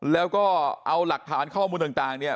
แล้วก็เอาหลักฐานข้อมูลต่างเนี่ย